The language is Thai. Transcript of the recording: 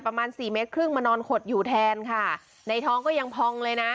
ประมาณสี่เมตรครึ่งมานอนขดอยู่แทนค่ะในท้องก็ยังพองเลยนะ